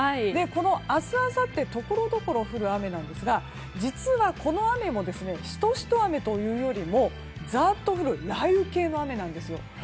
明日あさってはところどころ降る雨なんですが実はこの雨もシトシト雨というよりもざっと降る雷雨系の雨なんですよ。